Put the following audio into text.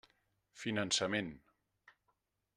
Finançament.